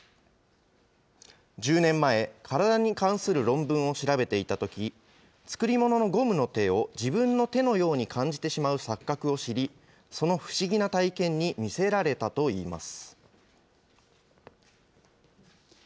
１０年前、体に関する論文を調べていたとき、作り物のゴムの手を自分の手のように感じてしまう錯覚を知り、その不思議な体験に魅せられたといいます。